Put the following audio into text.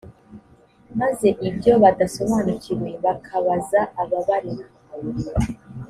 maze ibyo badasobanukiwe bakabaza ababarera